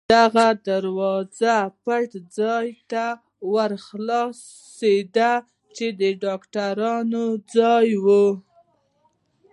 دغه دروازه پټۍ ځای ته ور خلاصېده، چې د ډاکټرانو ځای و.